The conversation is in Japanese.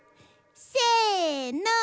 せの！